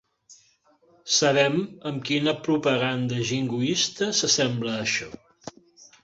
Sabem amb quina propaganda jingoista s'assembla això.